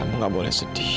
kamu gak boleh sedih